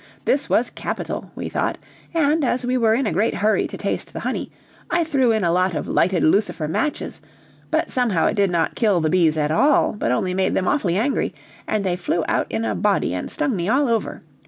This was capital, we thought, and, as we were in a great hurry to taste the honey, I threw in a lot of lighted lucifer matches, but somehow it did not kill the bees at all, but only made them awfully angry, and they flew out in a body and stung me all over.